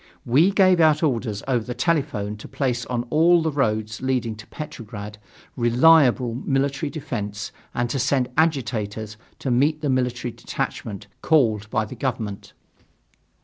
We gave out orders over the telephone to place on all the roads leading to Petrograd reliable military defence and to send agitators to meet the military detachment called by the government.